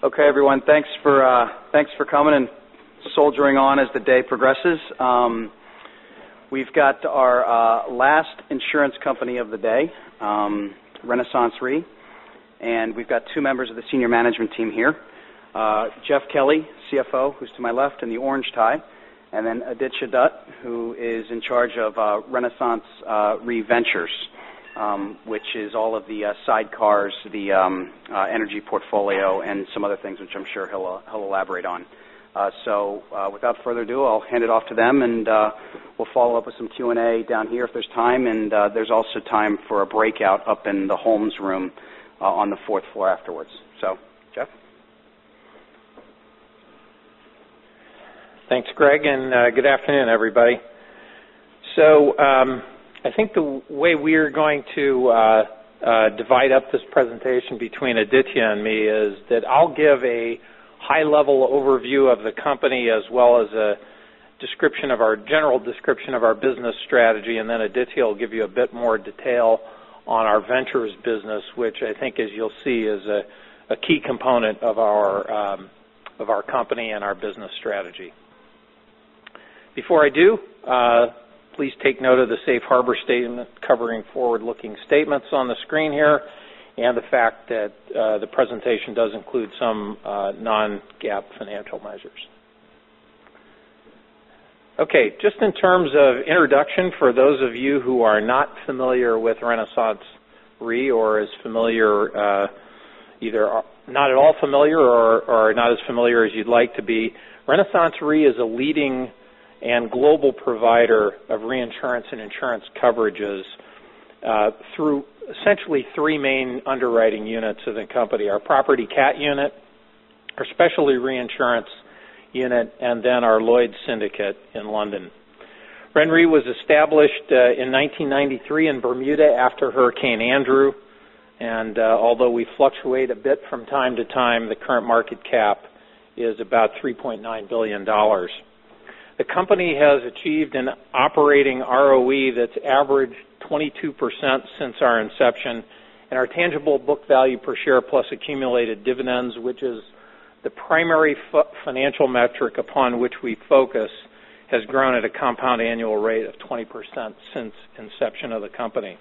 Okay, everyone. Thanks for coming and soldiering on as the day progresses. We've got our last insurance company of the day, RenaissanceRe, and we've got two members of the senior management team here. Jeff Kelly, CFO, who's to my left in the orange tie, and then Aditya Dutt, who is in charge of RenaissanceRe Ventures, which is all of the sidecars, the energy portfolio, and some other things which I'm sure he'll elaborate on. Without further ado, I'll hand it off to them, and we'll follow up with some Q&A down here if there's time. There's also time for a breakout up in the Holmes Room on the fourth floor afterwards. Jeff? Thanks, Greg, and good afternoon, everybody. I think the way we're going to divide up this presentation between Aditya and me is that I'll give a high-level overview of the company as well as a general description of our business strategy, and then Aditya will give you a bit more detail on our ventures business, which I think as you'll see is a key component of our company and our business strategy. Before I do, please take note of the safe harbor statement covering forward-looking statements on the screen here, and the fact that the presentation does include some non-GAAP financial measures. Okay, just in terms of introduction for those of you who are not familiar with RenaissanceRe, either not at all familiar or are not as familiar as you'd like to be, RenaissanceRe is a leading and global provider of reinsurance and insurance coverages through essentially three main underwriting units of the company, our Property Cat unit, our Specialty Reinsurance unit, and then our Lloyd's Syndicate in London. RenRe was established in 1993 in Bermuda after Hurricane Andrew. Although we fluctuate a bit from time to time, the current market cap is about $3.9 billion. The company has achieved an operating ROE that's averaged 22% since our inception, and our tangible book value per share plus accumulated dividends, which is the primary financial metric upon which we focus, has grown at a compound annual rate of 20% since inception of the company.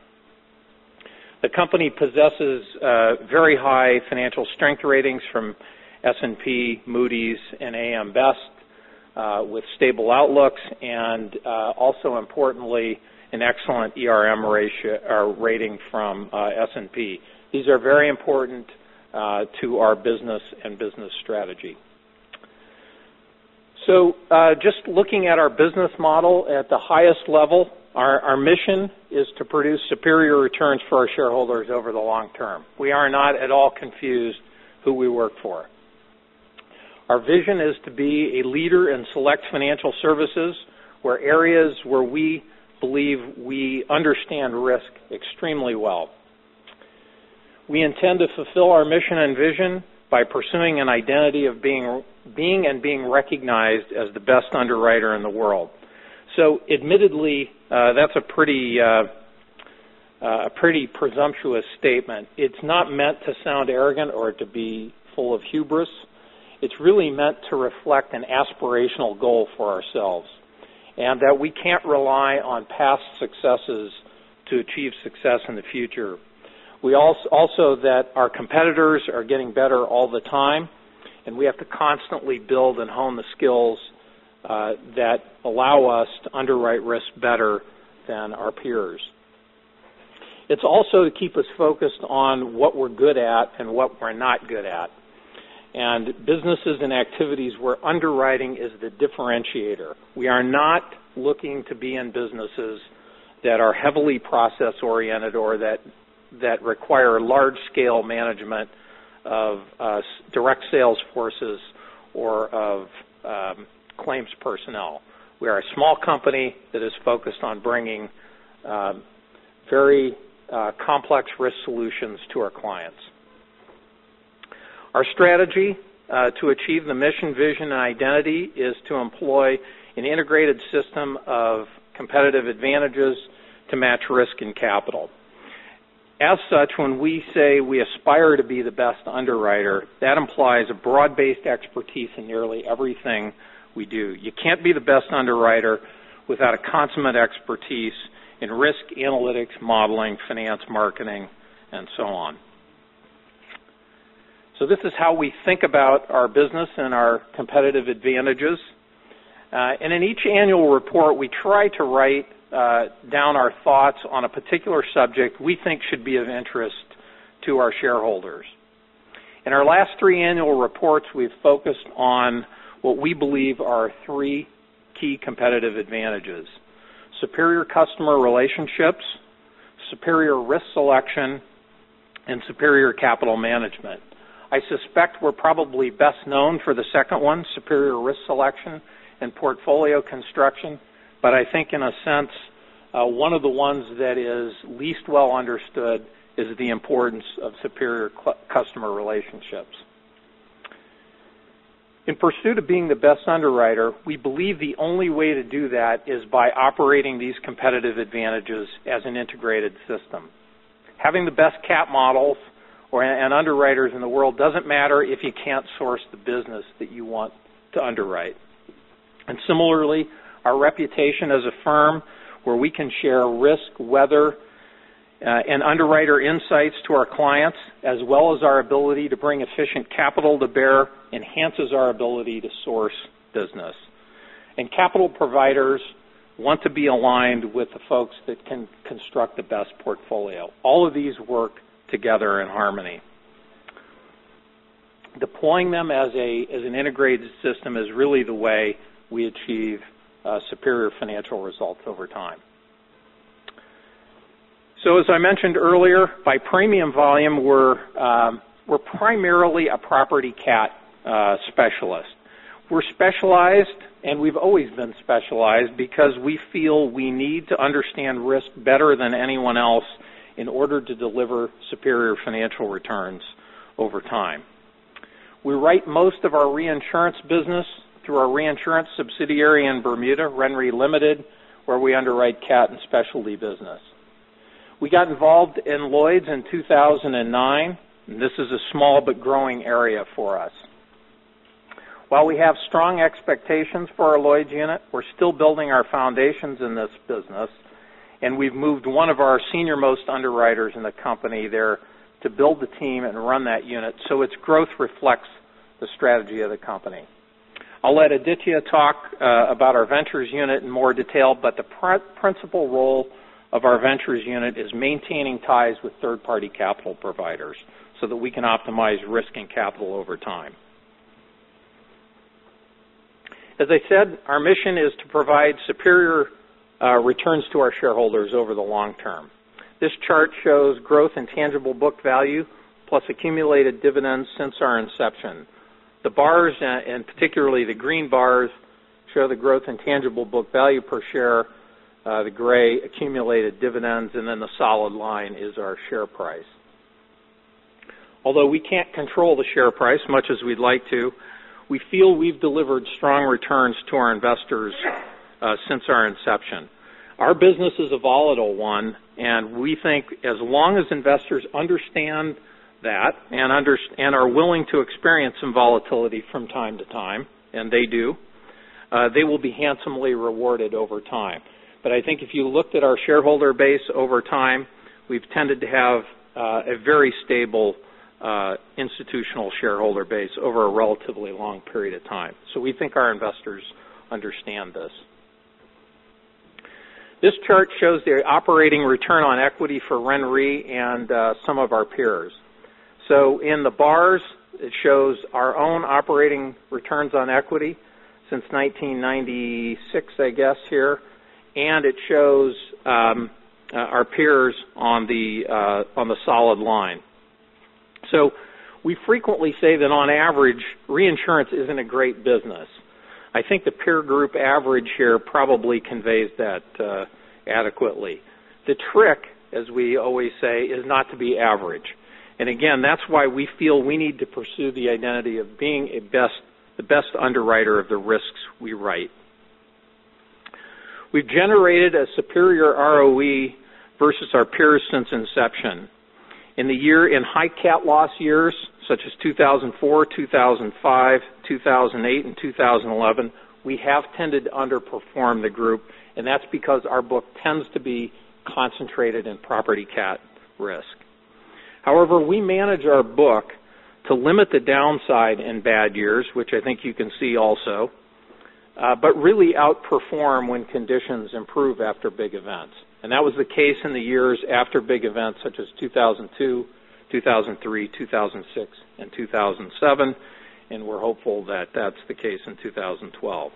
The company possesses very high financial strength ratings from S&P, Moody's, and AM Best with stable outlooks and also importantly, an excellent ERM rating from S&P. These are very important to our business and business strategy. Just looking at our business model at the highest level, our mission is to produce superior returns for our shareholders over the long term. We are not at all confused who we work for. Our vision is to be a leader in select financial services where areas where we believe we understand risk extremely well. We intend to fulfill our mission and vision by pursuing an identity of being and being recognized as the best underwriter in the world. Admittedly, that's a pretty presumptuous statement. It's not meant to sound arrogant or to be full of hubris. It's really meant to reflect an aspirational goal for ourselves. We can't rely on past successes to achieve success in the future. Our competitors are getting better all the time. We have to constantly build and hone the skills that allow us to underwrite risk better than our peers. To keep us focused on what we're good at and what we're not good at. Businesses and activities where underwriting is the differentiator. We are not looking to be in businesses that are heavily process-oriented or that require large-scale management of direct sales forces or of claims personnel. We are a small company that is focused on bringing very complex risk solutions to our clients. Our strategy to achieve the mission, vision, and identity is to employ an integrated system of competitive advantages to match risk and capital. When we say we aspire to be the best underwriter, that implies a broad-based expertise in nearly everything we do. You can't be the best underwriter without a consummate expertise in risk analytics, modeling, finance, marketing, and so on. This is how we think about our business and our competitive advantages. In each annual report, we try to write down our thoughts on a particular subject we think should be of interest to our shareholders. In our last 3 annual reports, we've focused on what we believe are 3 key competitive advantages, superior customer relationships, superior risk selection, and superior capital management. I suspect we're probably best known for the second, superior risk selection and portfolio construction. I think in a sense, one of the ones that is least well understood is the importance of superior customer relationships. In pursuit of being the best underwriter, we believe the only way to do that is by operating these competitive advantages as an integrated system. Having the best cat models or underwriters in the world doesn't matter if you can't source the business that you want to underwrite. Similarly, our reputation as a firm where we can share risk, weather, and underwriter insights to our clients, as well as our ability to bring efficient capital to bear enhances our ability to source business. Capital providers want to be aligned with the folks that can construct the best portfolio. All of these work together in harmony. Deploying them as an integrated system is really the way we achieve superior financial results over time. As I mentioned earlier, by premium volume, we're primarily a property cat specialist. We're specialized. We've always been specialized because we feel we need to understand risk better than anyone else in order to deliver superior financial returns over time. We write most of our reinsurance business through our reinsurance subsidiary in Bermuda, RenRe Limited, where we underwrite cat and specialty business. We got involved in Lloyd's in 2009. This is a small but growing area for us. While we have strong expectations for our Lloyd's unit, we're still building our foundations in this business. We've moved one of our senior-most underwriters in the company there to build the team and run that unit so its growth reflects the strategy of the company. I'll let Aditya talk about our Ventures unit in more detail, but the principal role of our Ventures unit is maintaining ties with third-party capital providers so that we can optimize risk and capital over time. As I said, our mission is to provide superior returns to our shareholders over the long term. This chart shows growth in tangible book value plus accumulated dividends since our inception. The bars, and particularly the green bars, show the growth in tangible book value per share, the gray accumulated dividends, and then the solid line is our share price. Although we can't control the share price much as we'd like to, we feel we've delivered strong returns to our investors since our inception. Our business is a volatile one, we think as long as investors understand that and are willing to experience some volatility from time to time, and they do, they will be handsomely rewarded over time. I think if you looked at our shareholder base over time, we've tended to have a very stable institutional shareholder base over a relatively long period of time. We think our investors understand this. This chart shows the operating return on equity for RenRe and some of our peers. In the bars, it shows our own operating returns on equity since 1996, I guess here, and it shows our peers on the solid line. We frequently say that on average, reinsurance isn't a great business. I think the peer group average here probably conveys that adequately. The trick, as we always say, is not to be average. Again, that's why we feel we need to pursue the identity of being the best underwriter of the risks we write. We've generated a superior ROE versus our peers since inception. In high cat loss years, such as 2004, 2005, 2008, and 2011, we have tended to underperform the group, and that's because our book tends to be concentrated in property cat risk. However, we manage our book to limit the downside in bad years, which I think you can see also, but really outperform when conditions improve after big events. That was the case in the years after big events such as 2002, 2003, 2006, and 2007, we're hopeful that that's the case in 2012.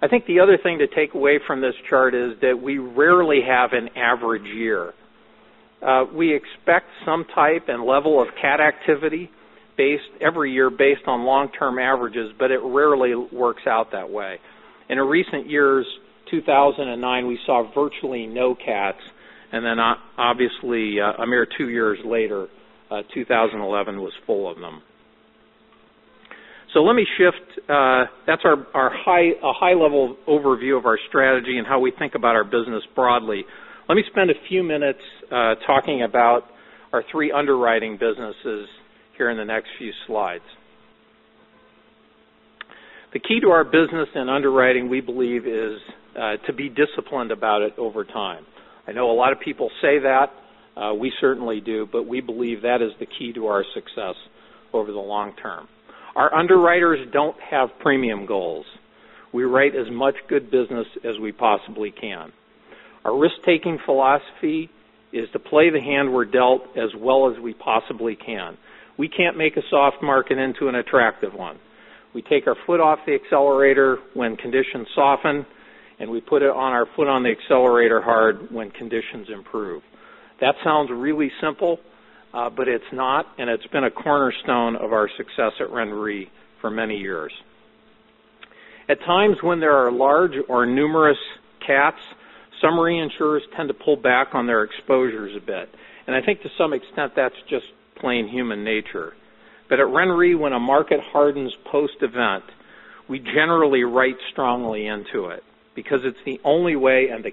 I think the other thing to take away from this chart is that we rarely have an average year. We expect some type and level of cat activity based every year based on long-term averages, but it rarely works out that way. In the recent years, 2009, we saw virtually no cats, then obviously a mere two years later, 2011 was full of them. Let me shift. That's our high-level overview of our strategy and how we think about our business broadly. Let me spend a few minutes talking about our three underwriting businesses here in the next few slides. The key to our business and underwriting, we believe, is to be disciplined about it over time. I know a lot of people say that, we certainly do, but we believe that is the key to our success over the long term. Our underwriters don't have premium goals. We write as much good business as we possibly can. Our risk-taking philosophy is to play the hand we're dealt as well as we possibly can. We can't make a soft market into an attractive one. We take our foot off the accelerator when conditions soften, and we put it on our foot on the accelerator hard when conditions improve. That sounds really simple, it's not, and it's been a cornerstone of our success at RenRe for many years. At times when there are large or numerous cats, some reinsurers tend to pull back on their exposures a bit. I think to some extent, that's just plain human nature. At RenRe, when a market hardens post-event, we generally write strongly into it because it's the only way and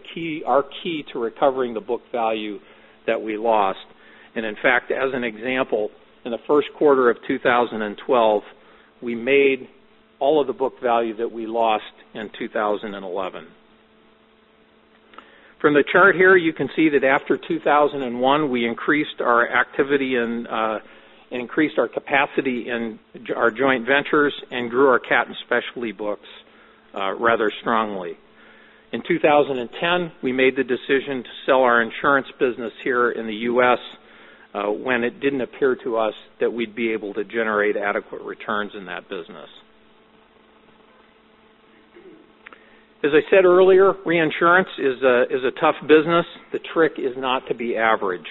our key to recovering the book value that we lost. In fact, as an example, in the first quarter of 2012, we made all of the book value that we lost in 2011. From the chart here, you can see that after 2001, we increased our activity and increased our capacity in our joint ventures and grew our cat and specialty books rather strongly. In 2010, we made the decision to sell our insurance business here in the U.S. when it didn't appear to us that we'd be able to generate adequate returns in that business. As I said earlier, reinsurance is a tough business. The trick is not to be average.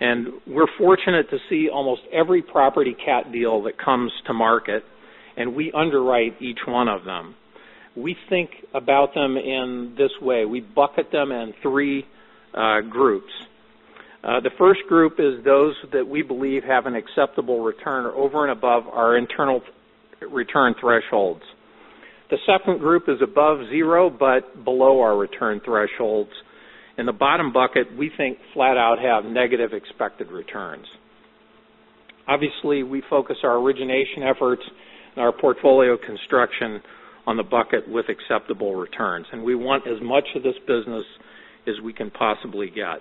We're fortunate to see almost every property cat deal that comes to market, and we underwrite each one of them. We think about them in this way. We bucket them in three groups. The first group is those that we believe have an acceptable return over and above our internal return thresholds. The second group is above zero but below our return thresholds. In the bottom bucket, we think flat out have negative expected returns. Obviously, we focus our origination efforts and our portfolio construction on the bucket with acceptable returns, and we want as much of this business as we can possibly get.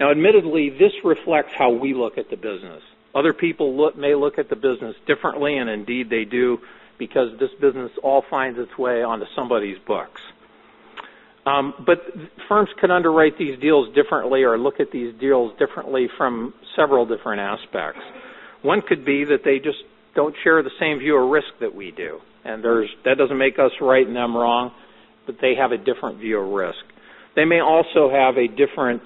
Admittedly, this reflects how we look at the business. Other people may look at the business differently, and indeed they do because this business all finds its way onto somebody's books. Firms can underwrite these deals differently or look at these deals differently from several different aspects. One could be that they just don't share the same view of risk that we do. That doesn't make us right and them wrong, but they have a different view of risk. They may also have a different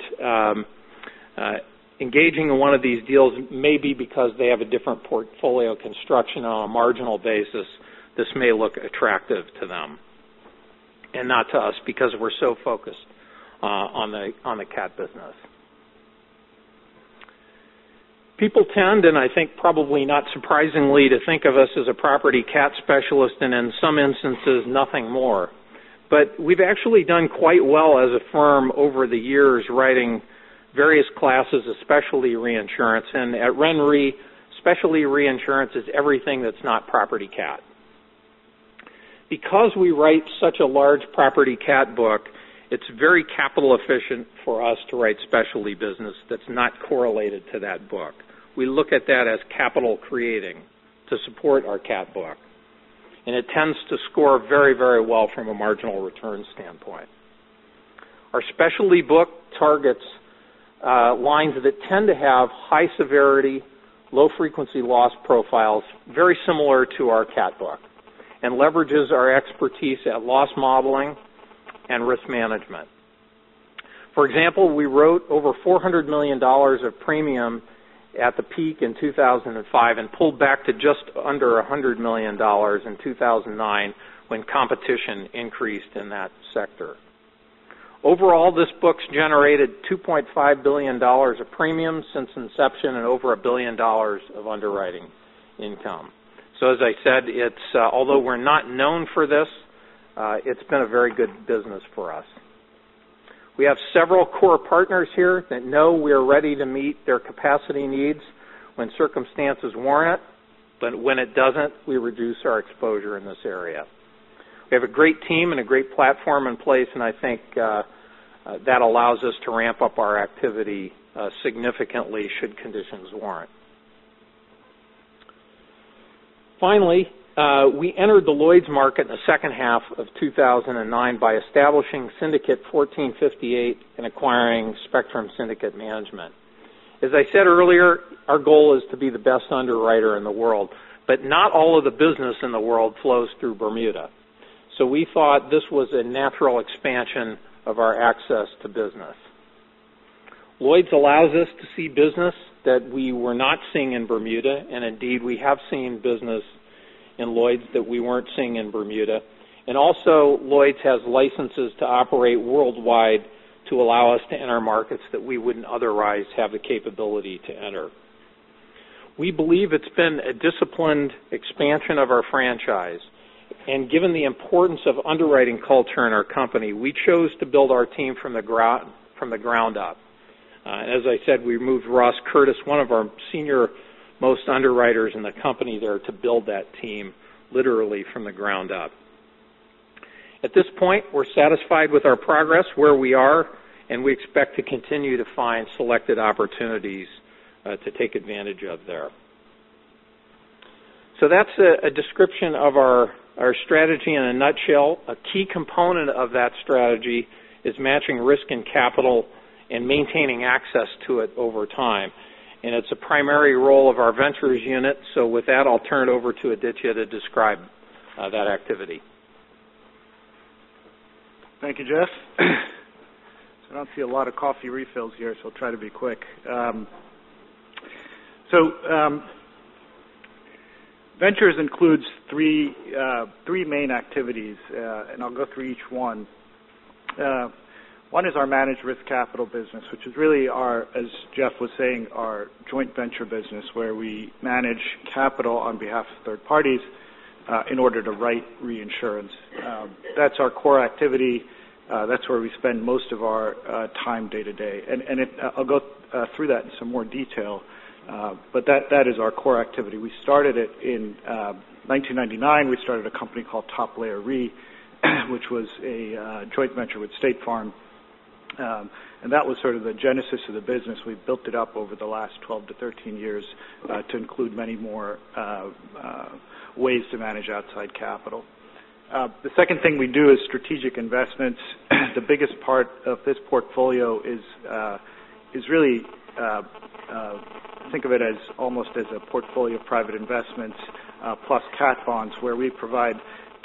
engaging in one of these deals may be because they have a different portfolio construction on a marginal basis. This may look attractive to them and not to us because we're so focused on the cat business. People tend, and I think probably not surprisingly, to think of us as a property cat specialist, and in some instances, nothing more. We've actually done quite well as a firm over the years, writing various classes of specialty reinsurance. At RenRe, specialty reinsurance is everything that's not property cat. Because we write such a large property cat book, it's very capital efficient for us to write specialty business that's not correlated to that book. We look at that as capital creating to support our cat book, and it tends to score very well from a marginal return standpoint. Our specialty book targets lines that tend to have high severity, low frequency loss profiles very similar to our cat book and leverages our expertise at loss modeling and risk management. For example, we wrote over $400 million of premium at the peak in 2005 and pulled back to just under $100 million in 2009 when competition increased in that sector. Overall, this book's generated $2.5 billion of premium since inception and over $1 billion of underwriting income. As I said, although we're not known for this, it's been a very good business for us. We have several core partners here that know we are ready to meet their capacity needs when circumstances warrant, but when it doesn't, we reduce our exposure in this area. We have a great team and a great platform in place, and I think that allows us to ramp up our activity significantly should conditions warrant. Finally, we entered the Lloyd's market in the second half of 2009 by establishing Syndicate 1458 and acquiring Spectrum Syndicate Management. As I said earlier, our goal is to be the best underwriter in the world, but not all of the business in the world flows through Bermuda. We thought this was a natural expansion of our access to business. Lloyd's allows us to see business that we were not seeing in Bermuda, and indeed, we have seen business in Lloyd's that we weren't seeing in Bermuda. Also, Lloyd's has licenses to operate worldwide to allow us to enter markets that we wouldn't otherwise have the capability to enter. We believe it's been a disciplined expansion of our franchise, and given the importance of underwriting culture in our company, we chose to build our team from the ground up. As I said, we moved Ross Curtis, one of our senior most underwriters in the company there, to build that team literally from the ground up. At this point, we're satisfied with our progress where we are, and we expect to continue to find selected opportunities to take advantage of there. That's a description of our strategy in a nutshell. A key component of that strategy is matching risk and capital and maintaining access to it over time. It's a primary role of our ventures unit. With that, I'll turn it over to Aditya to describe that activity. Thank you, Jeff. I don't see a lot of coffee refills here, so I'll try to be quick. Ventures includes three main activities, and I'll go through each one. One is our managed risk capital business, which is really our, as Jeff was saying, our joint venture business, where we manage capital on behalf of third parties in order to write reinsurance. That's our core activity. That's where we spend most of our time day to day. I'll go through that in some more detail. That is our core activity. We started it in 1999. We started a company called Top Layer Re, which was a joint venture with State Farm. That was sort of the genesis of the business. We've built it up over the last 12 to 13 years to include many more ways to manage outside capital. The second thing we do is strategic investments. The biggest part of this portfolio is really, think of it as almost as a portfolio of private investments plus cat bonds, where we provide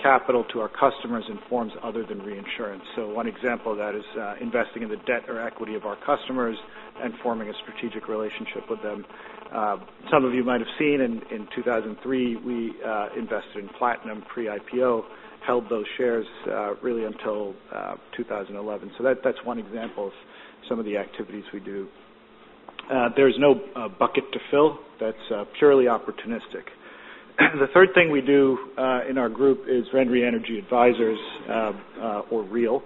capital to our customers in forms other than reinsurance. One example of that is investing in the debt or equity of our customers and forming a strategic relationship with them. Some of you might have seen in 2003, we invested in Platinum pre-IPO, held those shares really until 2011. That's one example of some of the activities we do. There's no bucket to fill. That's purely opportunistic. The third thing we do in our group is RenRe Energy Advisors, or REAL.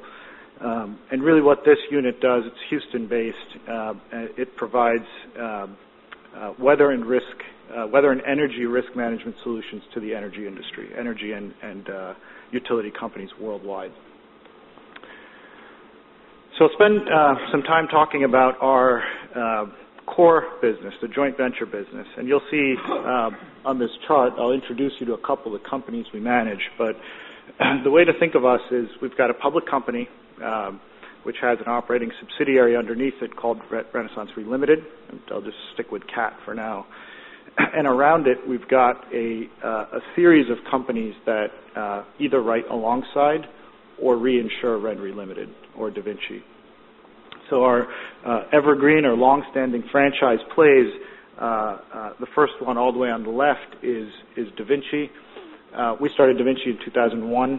Really what this unit does, it's Houston based, it provides weather and energy risk management solutions to the energy industry, energy and utility companies worldwide. I'll spend some time talking about our core business, the joint venture business. You'll see on this chart, I'll introduce you to a couple of companies we manage. The way to think of us is we've got a public company, which has an operating subsidiary underneath it called RenaissanceRe Limited. I'll just stick with Cat for now. Around it, we've got a series of companies that either write alongside or reinsure RenRe Limited or DaVinci. Our evergreen or long-standing franchise plays, the first one all the way on the left is DaVinci. We started DaVinci in 2001.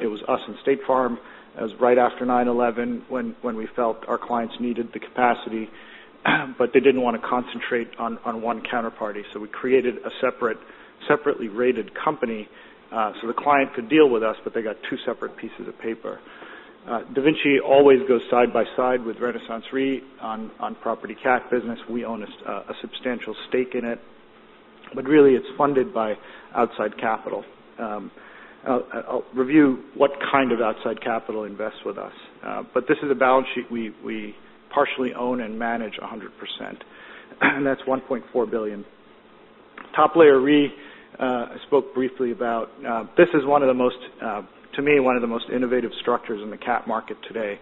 It was us and State Farm. It was right after 9/11 when we felt our clients needed the capacity, but they didn't want to concentrate on one counterparty. We created a separately rated company so the client could deal with us, but they got two separate pieces of paper. DaVinci always goes side by side with RenaissanceRe on property cat business. We own a substantial stake in it, but really it's funded by outside capital. I'll review what kind of outside capital invests with us. This is a balance sheet we partially own and manage 100%, and that's $1.4 billion. Top Layer Re, I spoke briefly about. This is, to me, one of the most innovative structures in the cat market today.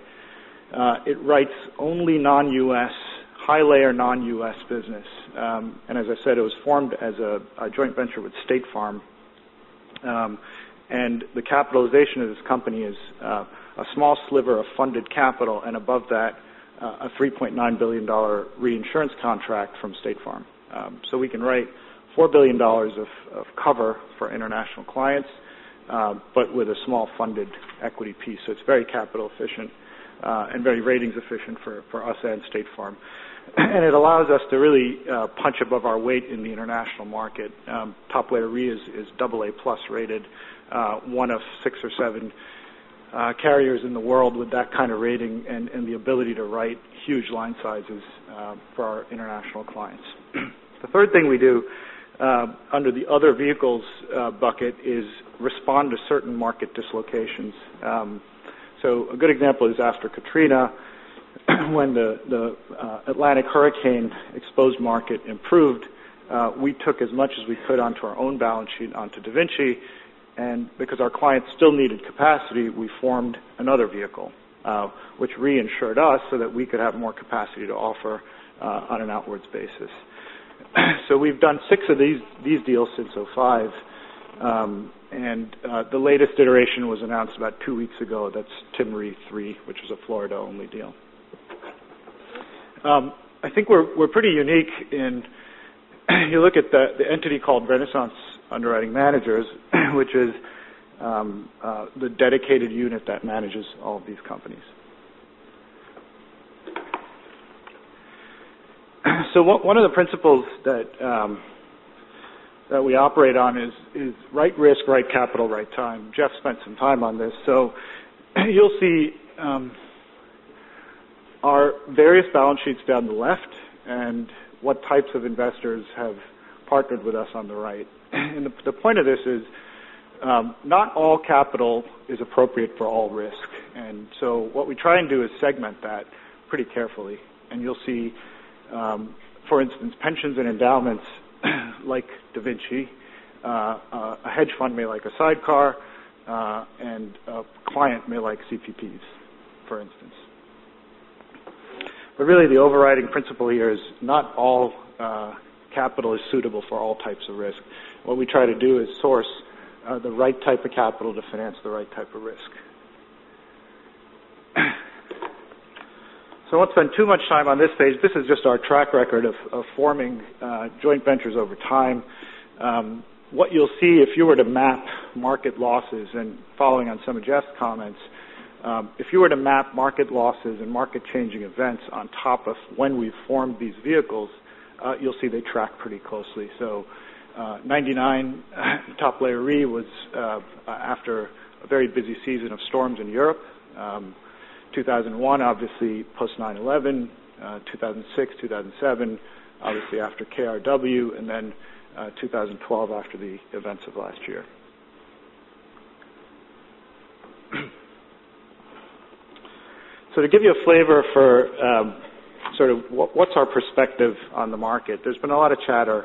It writes only non-U.S., high-layer non-U.S. business. As I said, it was formed as a joint venture with State Farm. The capitalization of this company is a small sliver of funded capital, and above that, a $3.9 billion reinsurance contract from State Farm. We can write $4 billion of cover for international clients, but with a small funded equity piece. It's very capital efficient and very ratings efficient for us and State Farm. It allows us to really punch above our weight in the international market. Top Layer Re is Double A plus rated, one of six or seven carriers in the world with that kind of rating and the ability to write huge line sizes for our international clients. The third thing we do under the other vehicles bucket is respond to certain market dislocations. A good example is after Katrina, when the Atlantic hurricane exposed market improved, we took as much as we could onto our own balance sheet, onto DaVinci. Because our clients still needed capacity, we formed another vehicle, which reinsured us so that we could have more capacity to offer on an outwards basis. We've done six of these deals since 2005. The latest iteration was announced about two weeks ago. That's Tim Re III, which is a Florida-only deal. I think we're pretty unique in, you look at the entity called Renaissance Underwriting Managers, which is the dedicated unit that manages all of these companies. One of the principles that we operate on is right risk, right capital, right time. Jeff spent some time on this. You'll see our various balance sheets down the left and what types of investors have partnered with us on the right. The point of this is not all capital is appropriate for all risk. What we try and do is segment that pretty carefully. You'll see, for instance, pensions and endowments like DaVinci. A hedge fund may like a sidecar, and a client may like CPPs, for instance. Really the overriding principle here is not all capital is suitable for all types of risk. What we try to do is source the right type of capital to finance the right type of risk. I won't spend too much time on this page. This is just our track record of forming joint ventures over time. What you'll see if you were to map market losses, and following on some of Jeff's comments, if you were to map market losses and market-changing events on top of when we formed these vehicles, you'll see they track pretty closely. 1999, Top Layer Re was after a very busy season of storms in Europe. 2001, obviously post 9/11, 2006, 2007, obviously after KRW, 2012 after the events of last year. To give you a flavor for sort of what's our perspective on the market, there's been a lot of chatter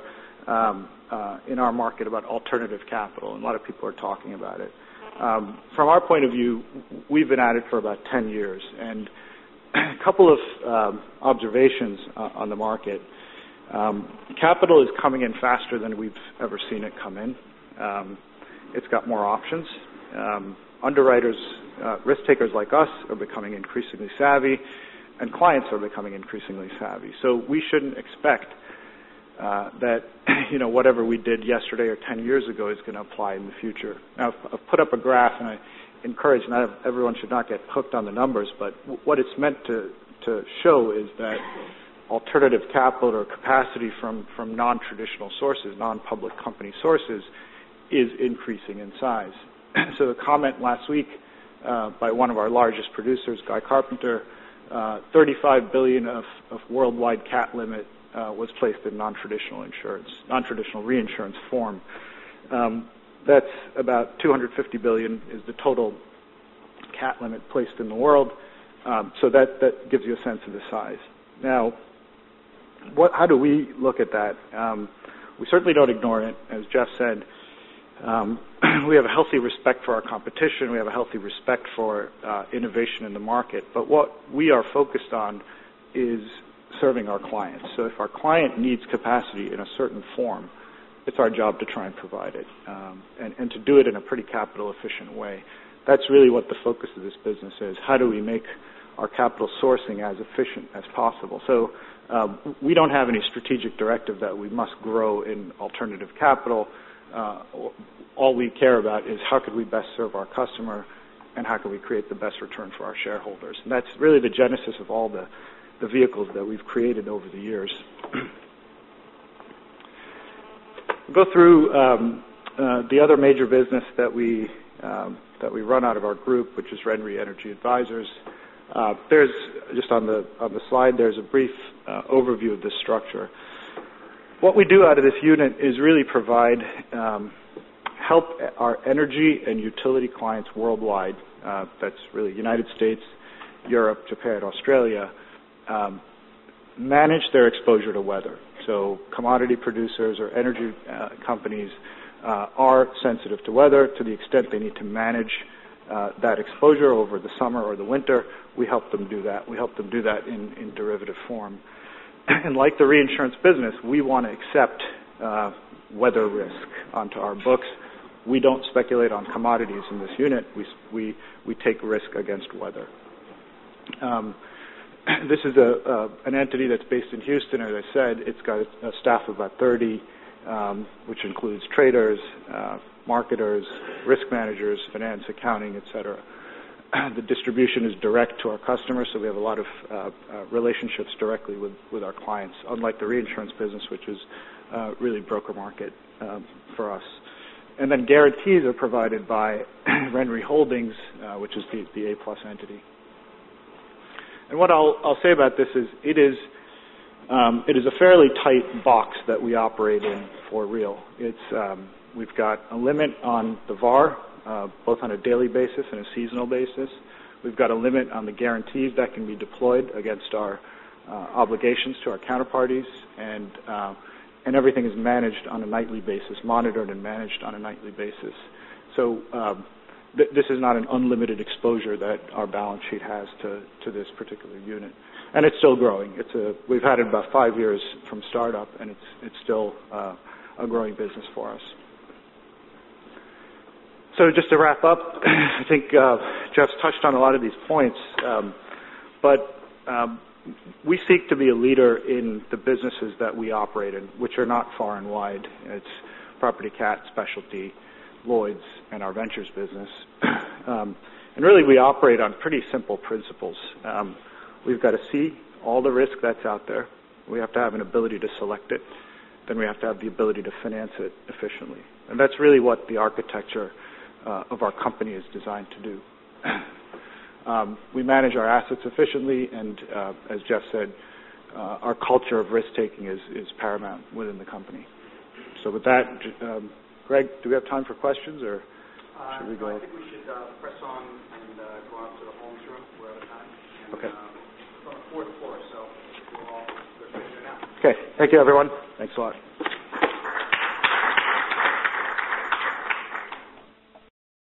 in our market about alternative capital, and a lot of people are talking about it. From our point of view, we've been at it for about 10 years. A couple of observations on the market. Capital is coming in faster than we've ever seen it come in. It's got more options. Underwriters, risk-takers like us are becoming increasingly savvy, and clients are becoming increasingly savvy. We shouldn't expect that whatever we did yesterday or 10 years ago is going to apply in the future. I've put up a graph and I encourage, everyone should not get hooked on the numbers, but what it's meant to show is that alternative capital or capacity from non-traditional sources, non-public company sources, is increasing in size. The comment last week by one of our largest producers, Guy Carpenter, $35 billion of worldwide cat limit was placed in non-traditional reinsurance form. About $250 billion is the total cat limit placed in the world. That gives you a sense of the size. How do we look at that? We certainly don't ignore it. As Jeff said, we have a healthy respect for our competition. We have a healthy respect for innovation in the market. What we are focused on is serving our clients. If our client needs capacity in a certain form, it's our job to try and provide it, and to do it in a pretty capital efficient way. That's really what the focus of this business is. How do we make our capital sourcing as efficient as possible? We don't have any strategic directive that we must grow in alternative capital. All we care about is how could we best serve our customer and how can we create the best return for our shareholders. That's really the genesis of all the vehicles that we've created over the years. Go through the other major business that we run out of our group, which is RenRe Energy Advisors. Just on the slide, there's a brief overview of the structure. What we do out of this unit is really provide help our energy and utility clients worldwide. That's really U.S., Europe, Japan, Australia manage their exposure to weather. Commodity producers or energy companies are sensitive to weather to the extent they need to manage that exposure over the summer or the winter. We help them do that. We help them do that in derivative form. Like the reinsurance business, we want to accept weather risk onto our books. We don't speculate on commodities in this unit. We take risk against weather. This is an entity that's based in Houston, as I said. It's got a staff of about 30, which includes traders, marketers, risk managers, finance, accounting, et cetera. The distribution is direct to our customers, so we have a lot of relationships directly with our clients, unlike the reinsurance business, which is really broker market for us. Guarantees are provided by RenRe Holdings, which is the A+ entity. What I'll say about this is, it is a fairly tight box that we operate in for REAL. We've got a limit on the VaR, both on a daily basis and a seasonal basis. We've got a limit on the guarantees that can be deployed against our obligations to our counterparties, and everything is managed on a nightly basis, monitored and managed on a nightly basis. This is not an unlimited exposure that our balance sheet has to this particular unit. It's still growing. We've had it about five years from startup, and it's still a growing business for us. Just to wrap up, I think Jeff's touched on a lot of these points. We seek to be a leader in the businesses that we operate in, which are not far and wide. It's property cat specialty, Lloyd's, and our Ventures business. We operate on pretty simple principles. We've got to see all the risk that's out there. We have to have an ability to select it. We have to have the ability to finance it efficiently. That's really what the architecture of our company is designed to do. We manage our assets efficiently, and as Jeff said, our culture of risk-taking is paramount within the company. With that, Greg, do we have time for questions, or should we go? I think we should press on and go out to the Holmes Room. We're out of time. Okay. It's on the fourth floor. We'll all go up there now. Okay. Thank you everyone. Thanks a lot.